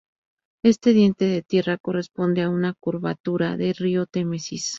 Este diente de tierra corresponde a una curvatura del río Támesis.